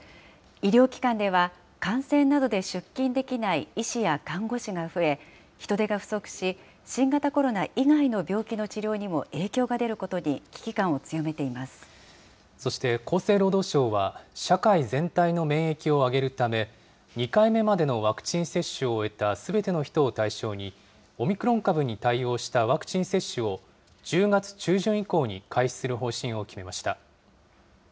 医療機関では、感染などで出勤できない医師や看護師が増え、人手が不足し、新型コロナ以外の病気の治療にも影響が出ることに危機感を強めてそして厚生労働省は、社会全体の免疫を上げるため、２回目までのワクチン接種を終えたすべての人を対象に、オミクロン株に対応したワクチン接種を、１０月中旬以降に開始する方針を決めました。